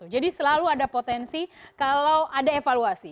jadi selalu ada potensi kalau ada evaluasi